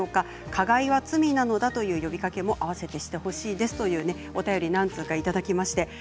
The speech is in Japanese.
加害は罪なのだという呼びかけもあわせてしてほしいです、と、何通もいただきました。